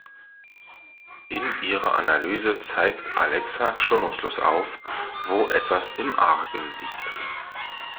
In ihrer Analyse zeigt Alexa schonungslos auf, wo etwas im Argen liegt.